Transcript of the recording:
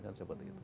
kan seperti itu